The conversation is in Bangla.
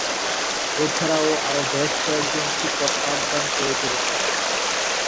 এছাড়াও আরো বেশ কয়েক জন শিক্ষক পাঠদান করে চলেছেন।